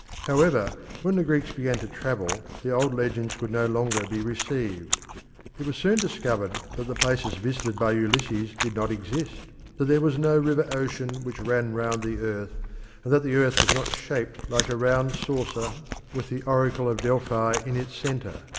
However, when the Greeks began to travel, the old legends could no longer be received. It was soon discovered that the places visited by Ulysses did not exist, that there was no River Ocean which ran round the earth, and that the earth was not shaped like a round saucer with the oracle of Delphi in its centre.